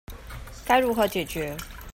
該如何解決